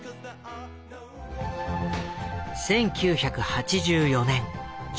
１９８４年１１月。